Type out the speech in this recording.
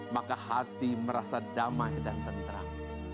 maka hati merasa damai dan tentram